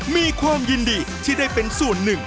มีความยินดีที่ได้เป็นส่วนหนึ่ง